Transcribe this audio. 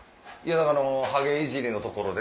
だからハゲいじりのところで。